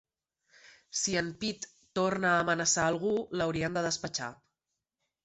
Si en Pete torna a amenaçar algú, l'haurien de despatxar.